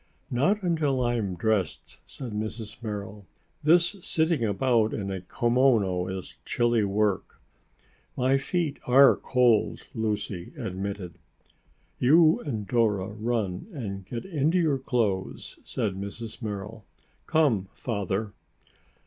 "Not until I am dressed," said Mrs. Merrill. "This sitting about in a kimono is chilly work." "My feet are cold," Lucy admitted. "You and Dora run and get into your clothes," said Mrs. Merrill. "Come, Father."